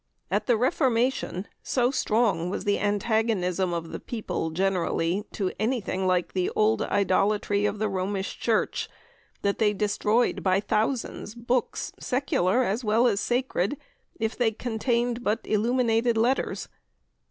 At the Reformation so strong was the antagonism of the people generally to anything like the old idolatry of the Romish Church, that they destroyed by thousands books, secular as well as sacred, if they contained but illuminated letters.